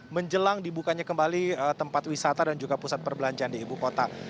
menjelang dibukanya kembali tempat wisata dan juga pusat perbelanjaan di ibu kota